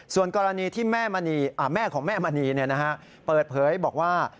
ส่วนกรณีที่แม่ของแม่มณีเปิดเผยบอกว่า